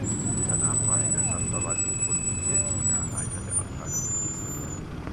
Danach war er in der Stadtverwaltung von Bijeljina Leiter der Abteilung für Kriegsversehrte.